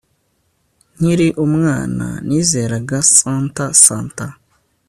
Nkiri umwana nizeraga Santa Santa